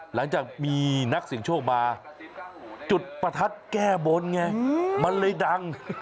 หลังจากมีนักเสียงโชคมาจุดประทัดแก้บนไงมันเลยดัง